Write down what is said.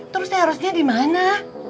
terus erosnya dimana